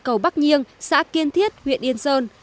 cầu bắc nhiêng xã kiên thiết huyện yên sơn